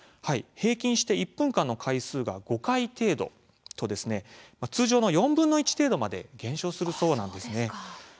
平均して１分間の回数が５回程度と通常の４分の１程度まで減少するそうなんです。